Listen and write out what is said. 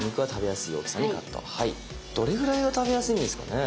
どれぐらいが食べやすいんですかね？